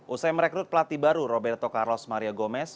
usai merekrut pelatih baru roberto carlos maria gomez